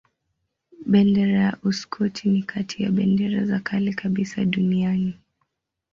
Bendera ya Uskoti ni kati ya bendera za kale kabisa duniani.